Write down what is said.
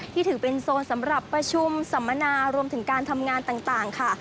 ที่ถือเป็นโซนสำหรับประชุมสัมมนารวมถึงการทำงานต่างค่ะ